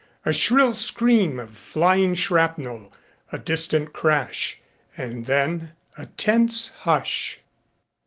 A shrill scream of flying shrapnel, a distant crash and then a tense hush....